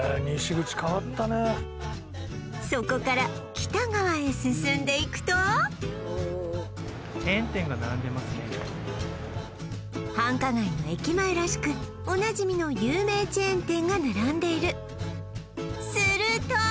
そこから北側へ進んでいくと繁華街の駅前らしくおなじみの有名チェーン店が並んでいるすると！